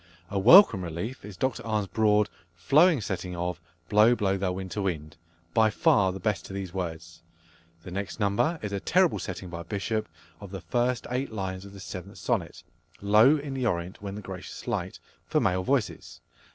A welcome relief is Dr Arne's broad, flowing setting of "Blow, blow, thou winter wind," by far the best to these words. The next number is a terrible setting by Bishop of the first eight lines of the 7th Sonnet, "Low in the Orient when the gracious light," for male voices.